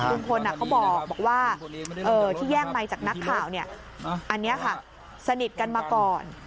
ลุงพลเขาบอกว่าที่แย่งไมค์จากนักข่าวอันนี้ค่ะสนิทกันมาก่อน